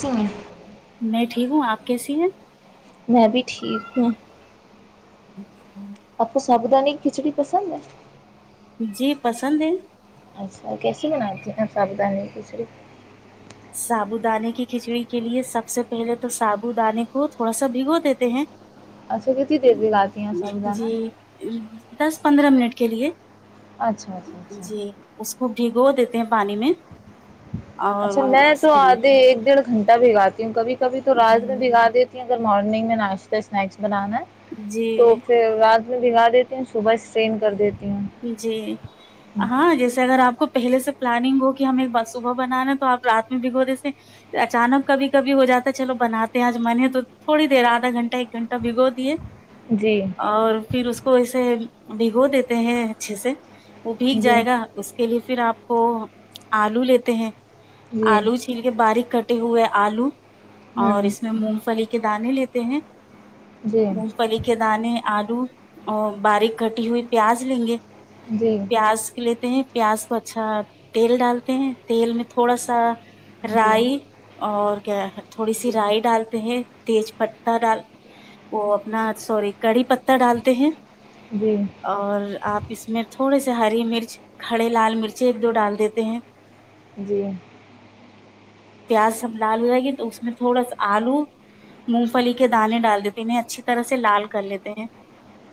صحیح میں ٹھیک ہوں آپ کیسی ہیں میں بھی ٹھیک ہوں اچھا آپ کو ساابودانی کھچڑی پسند ہے جی پسند ہے اچھا کیسے بناتی ن ساابودانی کیسر سابو دانے کی کھچڑی کے لیے سب سے پہلے تو سابو دانے کو تھوڑا سا بھگو دیتے ہیں اچھا کتنی دیر بگاتی ہیں آپ صابودانہ جی دس پندرہ منٹ کے لیے اچھا اچھا اچھا جی ایس کو بھی گو دیتے ہیں پانی میں اور اچھا میں تو کے آ دے لیے ایک ڈیڑھ گنٹہ بھی آاتی ہوں کبھی کبھی تو جی رات میں بھگا دیتی ہوں جب مارننگ میں ناشتہ بنانا ہے تو جی پھر رات بھگا دیتے ہیں صبح سے ٹرین کر دیتے ہیں جی ہاں جیسے اگر آپ کو پہلے سے پلاننگ ہو کہ ہم ایک بار صبح بنانا تو آپ رات میں بھگو دیتے اچانک کبھی کبھی ہو جاتا ہے چلو بناتے ہیں آج من تو تھوڑی دیر آدھا گھنٹہ ایک گھنٹہ بھگو دیں جی اور پھر اس کو ایسے بھگو دیں مہیں اچھے سے وہ بھیگ جی جائے گا اس کے لیے پھر آپ وہ آلو لیتے ہی جی آلو چھیل کے باریک کٹ ہوئے الو اور ہوں اس میں مونگ پھلی کے دانے لیتے ہی جی مفتی کے دانے الو اور باریک کٹی ہوئی پیاز لیں گے جی پیاز کے لیتے ہے پیاز کو اچھا تیل ڈالتے ہیں تیل میں تھوڑا سا جی جی رائی اور کیا ہے تھوڑی سی رائی ڈالتے ہی تیج پہ ڈال وہ اپنا سوری کڑی پہ ڈالتے ہے جی اور آپ اس میں تھوڑے سے ہری ہری مرچ کھڑے لال مرچ ایک دو ڈال دیتے ہے جی پیاز سب لال ہو جائے گی تو اس میں تھوڑا سا آلو مونگ پھلی کے دانے ڈال دیتے ہیں انہیں اچھی طرح سے لال کر لیتے ہیں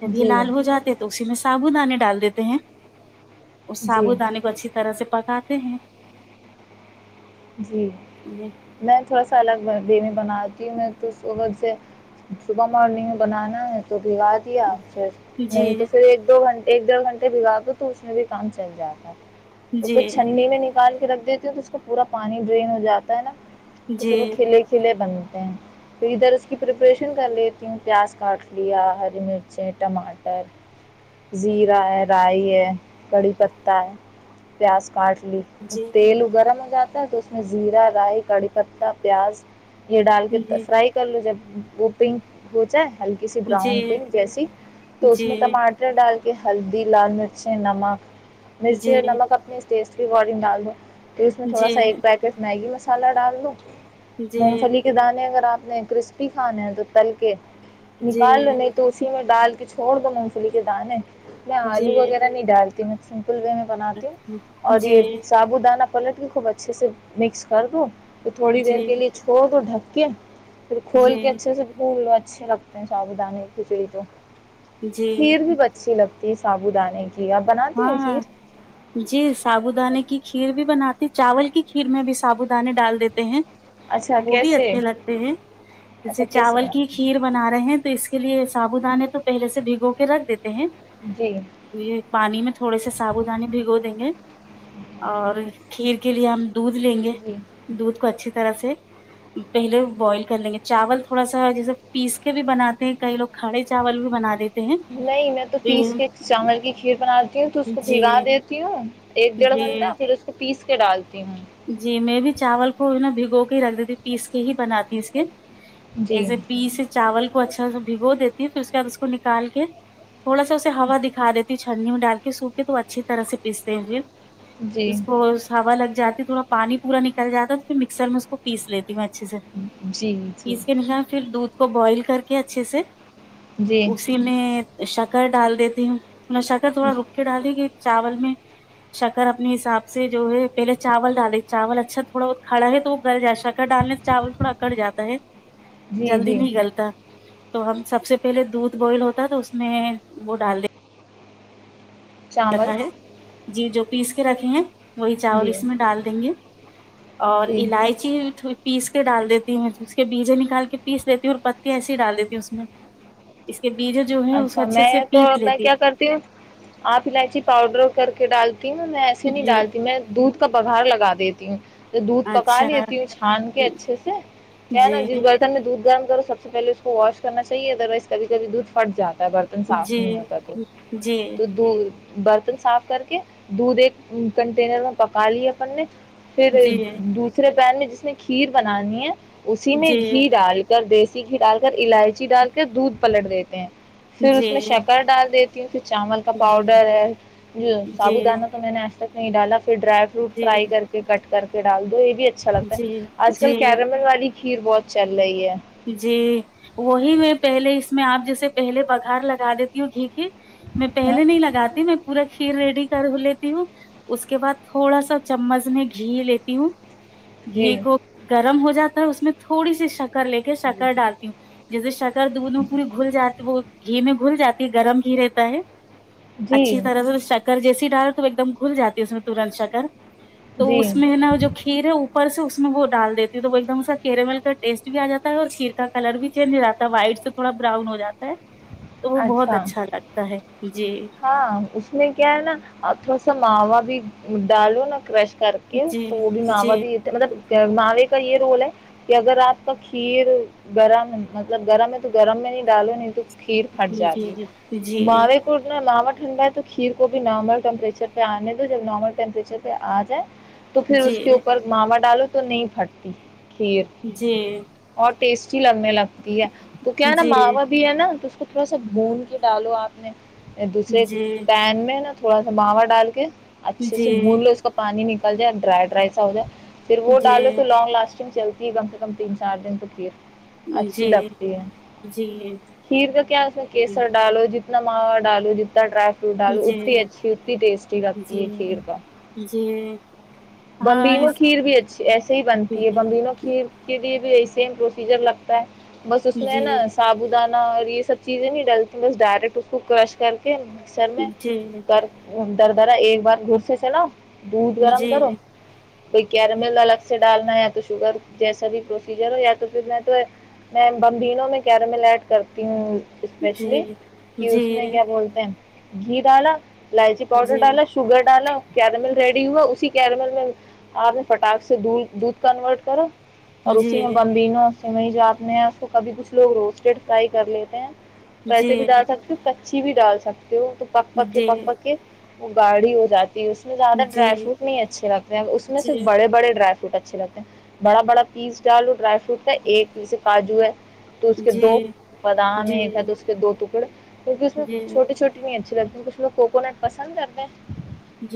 جب یہ جی لال ہو جاتے تو اسی میں سابو دانے ڈال دیتے ہیں اس جی سابو دانیے کو اچھی طرح سے پکاتے ہیں جی جی میں تھوڑا سا الگ بھگ دیں بناتی ہوں میں تو صبح سے صبح مارننگ میں بنانا ہے تو بگا دیا پھر نہیں تو جی پھر ایک دو گھنٹے ایک ڈڑھ گھنٹے بگا دو تو اس میں بھی کام چل جاتا جی تو پھر جی چھننے میں نکال کے رکھ د اس کو پورا پانی ڈرین ہو جاتا ہے نا جی توسو کھلے کلے بانو پھر ادھر اس کی پریپریشن کر لیتی ہوں پیاز کاٹ لیا ہری مرچ ٹماٹر زیرا ہے رائی ہے کڑی پتتا ہے پیاز کاٹ لی جی تل گرم ہے جاتا ہے تو اس میں زیرا رائی کڑھی پتا پیاز یہ ڈال کے جی فرائی کر لو جب وہ پنک ہو جائے ہے ہلکی سی جی براؤن جی ہو پ جیسی تو اس جی میں ٹماٹر ڈال ہلدی لال مرچیں نمک مرچی اور نمک اپنی اس بارڈنگ ڈال وہ اس میں جی تھوا سا ایک پیکٹ مگی بس مسالہ ڈال لو مونگ پھلی کے دانے اگر آپ نہیں کرسپی کھانا ہے تو تل کے نکال لے نہیں تو سیمٹ دال کے چھڑ دو مونگفھلی کے دانے میں جی آلو وغیرہ نہیں ڈالتی میں سھ [unintelligible] کلوے میں بناتی ہوں اور جی یہ سابو دانہ پلٹ بھی خوب اچھے سے مکس کر دو تو تھوڑی دیر جی کے لیے چھوڑ دو ڈھک کیا پھر کھول جی کے اچھے سے ڈھونو اچھے لگتے ہیں ساودانی کھ تو جی کھیر بھی بچھی لگتی سابو دان ہے ہاں جی سابو دانے کی کھیر بھی بناتا چاول کی کھیر میں بھی سابو دانے ڈال دیتے ہیں اچھا وہ بھی کیسے اچھے لگتے ہیں جیسے اچھا کیسے چاول کی بناتی کھیر بنا رہے ہیں تو اس کے لیے ایے سابو دانے تو پہے سے بھگو کے رکھ دیتے ہیں یہ میں تھوڑے سے سابو دانی بھگو دیں گے اور کھیر کے لیے ہم دودھ لیں گے جی دودھ کو اچھے طرح سے پہلے بوائل کر لیں گے چاول تھوڑا سا جیسے پیس کے بھی بناتے ہیں کئی لوگ کھڑے چاول بھی بنا دیتے ہیں نہیں میں تو پ پیس کے چاول کی کھیر بناتی ہوں تو اس کو بھگا دیتی ہوں ایک ڈیڑھ جی گھنٹہ پھر اس کو پیس کے ڈالتی ہوں جی جی میں بھی چاول کو نا بھگو کے ہی رکھ دیتی ہ پیس کے ہی بناتی اس کے جی ایسے پیس چاول کے اچھا سے بھگو دیتی پھر اس کےعد اس کو نکال کے تھوڑا اس ہوا دکھا دیتے چھننی میں ڈال کے سوکھے تو اچھی طرح سے پیستے ہیںھر جی اس کو ہوا لگ جاتا تھوڑا پانی پورا نکل جاتا تو پھر مکسر میں اس کو پیس لیتا اچھے سے جی جی اس کے انسار پھر دو کو بوائل کر کے اچھے سے جی اسی نے شکر ڈال دیتی ہوں مشاکت تھوڑا رک کے ڈالی گئی چاول میں شکر اپنے حساب سے جو ہے پہلے چاول ڈالے چاول اچھا تھوڑا بہت کڑا ہے تو وہ گر جا ڈالنے چاول تھوڑا کٹ جاتا ہے جی جلدی جی نہیں گلتا تو ہم سب سے پہلے دودھ بوائل ہوتا تو اس میں وہ ڈال دیتے چاول جی جو پیس کے رکھے ہیں وہی چاول جی اس میں ڈال دیں گے اور جی الائچی تھ پیس کے ڈال دیتی ہوں اس کے بیجے نکال کے پیس دیتی ہوں اور پتی ایسی ڈال دیتی ہوں اس میں کے بیجے جو ہے اس کو اچھا اچھے میں سے تو پیس میں لیتی کیا کرتی ہوں آپ سلائچی پاؤڈر کر کے ڈال میں ایسے ہوں نہیں جی ڈالتی میں دودھ کا پگھار لگا دیتی دودھ پکا اچھا لیتی ہوں چھان کے جی اچھے سے کیا نا جی جس برتن میں دودھ گرم کرو سب اس پہلے اس کو واش کرنا چاہیے اروائز کب کبھی دودھ پڑ جات تا برتن صاف جی نہیں ہوتا تو جی تو د برتن صاف کر کے دودھ ایک کنٹینر میں پکا لی اپن نے پھر جی جی دوسرے پین میں جس نے کھیر بنانی ہے اسی میں جی گھی ڈال کر دی سھی ڈال کر الائچی ڈال کر دودھ پلٹ دیتی کہ پھر جی اس میں شکر ڈال دیتی ہوں پھر چاول کا پاؤڈر ہے جو سابو دانہ تو میں نے ایسا نہیں ڈالا پھر ڈرائی فروٹ جی فرائی کر کے کٹ کر ڈال دو ہو اچھا لگتا ہے جی آج کل جی کیرامین والی کھیر بہت چل رہی ہے جی وہی میں پہلے اس میں آپ جیسے پہلے پگھار لگا دیتی ہوں ھیک ہی میں ہاں پہلے نہیں لگاتی میں پورا کھیر ریڈی کر لیتی ہوں اس کے بعد تھوڑا سا چمچ میں گھی لیتی ہوں جی گھی کو گرم ہو جاتا اس میں تھوڑی سی شک کر لے کے شکر ڈالتی جی س کر دونوں پوری گھل جاتے وہ گھی میں گھل جاتی ہے گرم گھی رہتا ہے جی اچھی طرح سے شکر جیسے س ڈال تو ایک دم گھل جاتی ہے اس میں تورنت شا کر تو جی اس میں ہے نا جو کھیر ہے ا سے اس میں وہ ڈال دیتی ہوں تو وہ ایک دم سا کیرمل کا ٹیسٹ بھی آ جاتا ہے اور کھییر کا کلر بھی چینج ہو جاتا ہے وائٹ سے تھوڑا براؤن ہو جاتا ہے تو وہ بہت اچھا لگتا ہے جی ہاں اس میں کیا ہے نا آ تھوڑا سا سماوا بھی ڈالو نہا کرش کر کے جی جی تو بھی ماوا جی بھی مطب ماوے کا یہ رول ہے کہ اگر آپ کا کھیر گرم مطلب گرم ہے تو گرم میں نہیں ڈالو نہیں تو کھیر پھٹ جی جی جاتی جی ہے ماوے کو ٹھنڈا ہے تو کھیر کو بھی نارمل ٹیمپریچر پہ آنے دو جب نارمل ٹیمپریچر پہ آ جائے تو پھر اس کے اوپر ماما ڈالو تو نہیں فٹتی جی پیس لگنے لگتی ہے تو کیا نا جی ماوا بھی ہے نا تو اس کو تھوڑا سا بھون کے ڈالو آپ نے دوسرے جی پین میں نا تھوڑا سا باوا ڈال کے جی اچھے سے جی بھون لو اس کا پانی ن ل د ڈرائڈ رائس آؤ جا پھر وہ ڈالو جی تو لانگ لاسٹنگ چلتا کم سے کم تین چار دن توکے اچھی جی لگتی ہے کھیر تو کیا اس میں کیسر ڈالو جت نم ڈالو جتا ٹریف فروٹ ڈالو جی اتنی اچھی اتنی ٹیسٹی لگتی ہے جی کھیر کا جی ہاں بمبینو اس کھیر بھی اچھی ایسے ہی جی بنتی ہے جی بمبینو کھیر کے لیے بھی سیم پروسیجر لگتا ہے بس اس جی میں ہے نا جی سابو دان اور یہ سب چیزیں نہیں ڈلتی بس ڈائریکٹ اس کو کرش کر کے مک سر میں جی جی کر در درا ایک بار گس چ نا دودھ گرم کرو جی کوئی گیارہ ملہ الگ سے ڈالنا یا تو شوگر جیسا بھی پروسیجر ہو یا تو پھر میں تو میں بمبینوں میں کیرامل ایڈ کرتی ہوں اسپیشلی جی جی کہ اس میں جی کیا بولتے ہیں گیتال لائچی پؤڈر جی ڈالا شوگر ڈالا کیرمل ریڈی ہوا اسی کیرمل آپ نے پٹاخ سے د دودھ کنورٹ کرو جی اور اسی جی میں بمبینا وہیں جات میں ہیں اس کو کبھی کچھ لوگ روسٹیڈ فرائی کر لیتے ہیں جی جی ویسے بھی جی ڈال سکتے ہو اچھی بھی ڈال سکتے ہیں تو تو پکپ کے جی پکپا کے وہ گاڑی ہو جاتی اس میں زیادہ ڈرائی جی فروٹ نہیں اچھے لگتے اس میں صر جی بڑے بڑے ڈرائی اچھے لگتے ہیں بڑا بڑا پیس ڈالو ڈرائی فروٹ ہے ایک پیس ہے کاجو ہے تو اس کے دو بادام ایک ہے تو اس کے دو ٹکڑے کیونکہ اس میں چھوٹی چھوٹی نہیں اچھی لگتی کچھ لوگ کوکونٹ پسند کرے ہیں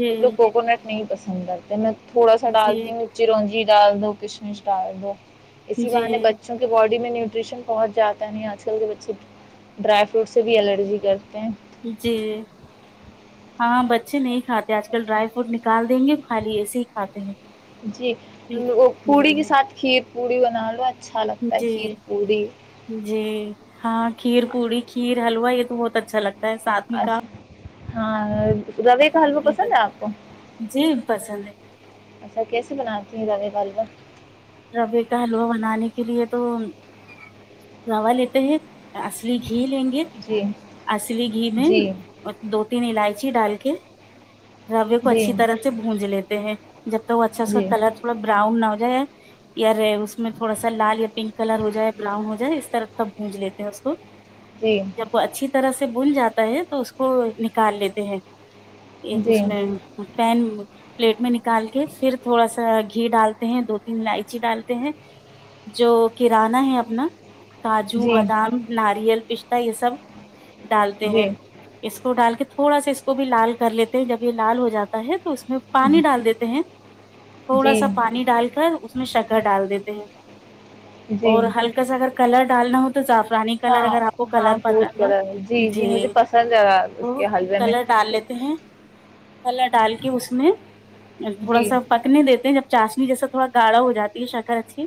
مل کوکنٹ نہیں پسند آ تمھیں تھوڑا سا ڈالتی ہوںچی رونجی ڈال دو کچھ نہیں اسٹار دو اسی باہ نے بچوں کے باڈی میں نیوٹری نیوٹریشن پہنچ جاتا نہیں آج کل کے بچے ڈرائی فروٹ سے بھی الرجی کرتے ہیں جی ہاں بچے نہیں کھاتے آج کل ڈرائی فروٹ نکال دیں گے خالی ایسے ہی کھاتے ہیں جی وہ پوڑی کے جی ساتھ کھیت اڑیناالوچ جی جی ہاں کھیر پوڑی کھیر حلوا بہت اچھا لگتا ساتھ میں کہ اچھا ہاں روے کا حلوہ پسند ہے آپ کو جی پسند ہے اچھا کیسے بنا رہ نہیں گلاب ربے کا حلوا بنانے کے لیے تو روا لیتے ہیں اصلی گھی لیں گے جی اصلی گھی میں جی اور دو تین الائچی ڈال کے روے کو جی اچھی طرح سے بونج لیتے ہیں جب ت وہ اچھا جی اس کا جی کلر تھوڑا براؤن نہ کیا ی ر اس میں تھوڑا سا لال یا پنک کلر ہو جائے یا براؤن ہو جائےا اس طرح کا بونج لیتے ہیں اس کو جی جب اچھی طرح سے سے بن جاتا ہے تو اس کو نکال لیتے ہیں ایک اس میں پین پلیٹ میں نکال کے پھر تھوڑا سا گھی ڈالتے ہیں دو تین لائ ڈالتے ہیں جو کررانہ ہے اپنا کاجو جی بادام ناریل کشسم ڈالتے ہیں اس کو ڈال کے تھوڑا سا اس کو بھی لال کر لیتے ہیں جب یہ لال ہو جاتا ہے اس میں پانی ڈال دیتے ہیں جی تھوڑا جی سا پانی ڈال کر اس گا ڈال دیتے ہیں جی اور ہلکا سا اگر کلر ڈالنا ہوتا تو جعفرانی ہاں کلر اگر آپ کو کلر ہاں فوڈ پسند ہو کلر مجھے جی پسند ہے اس تو کے حلوے میں کلر ڈال لیتے ہیں کلر ڈال کے اس میں تھوڑا جی سا پکنے دیتے ہیں جب چاسنی جسا تھوڑا گاڑھ ہو جاتی ہے شکر اچھی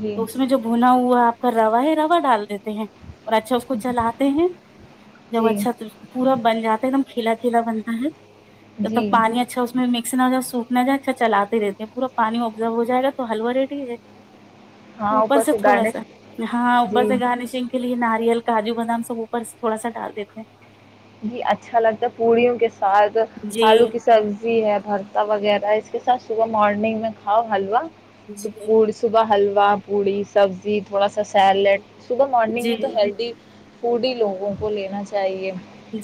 جی اس میں جو بھونا ہوا آپ روا ہی روا ڈال دیتے ہیں اور اچھا اس کو چلاتے ہیں جب جی اچھا پورا بن جاتا ایک دم کھیلا چھیلا بنتا ہے تو تب جی پانی اچھا اس میں م ا سوکھنا جا اچھا چلے رہتے ہیں پورا پانی جب ہو جائے گا تو حلوہ ریڈ ہی ہے اوپر سے تھوڑا سا ہاں اوپر جی سے گارنشنگ کے لیے ن ناریل کاجو بادام سب اوپر تھوڑا سا ڈال دیتے ہیں جی اچھا لگتا ہے پڑیوں کےس ساد ہیں آلو جی کی سبزی ہے برتا وغیرہ اس کے ساتھ صبح مارننگ میں کھاؤ حلوہ تو جی پڑ سوبہ حلو کوا پوڑی سبزی تھوڑا سا سیلیڈ صبح مارنگ میں تو جی ہیلدی بوڑھی لوگوں کو لینا چاہیے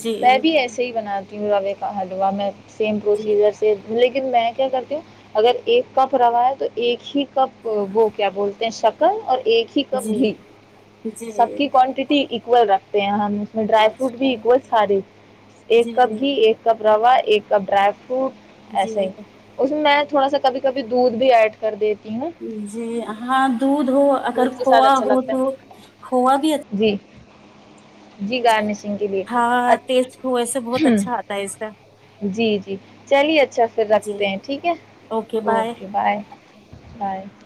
جی میں بھی ایسے ہی بناات لگے کا حلوا میں سیم جی پروسیزر سے لیکن میں کیا کرتی ہوں اگر ایک کپ روا ہے تو ایک ہی کپ وہ کیا بولتے ہیں شکر اور ایک ہی کپ جی گھی جی سب کی کوانٹیٹی اول رکھ تے ہیں میں ڈرائی فروٹ اچھا بھی سارے ایک جی کپ بھی ایک کپ روا ایک کپ ڈرائی فو ایسے جی ہی اس میں میں تھوڑا سا کب کبھی دودھ بھی ایڈ کر دیتی ہوں جی ہاں دھ ہو اگر دودھ کے ساتھ کھووا اچھا ہو لگتا تو کھووا بھی اچا ہے جی جی گارنی سنگ کے بھی ہاں ٹیس ہو ای سے بہت اچھا آتا ہے اس کا جی چلیے اچھا اچھا پھر جی رکھتے ہیں ٹھیک ہے اوکے بائے بائے